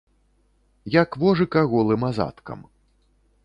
Як вожыка голым азадкам.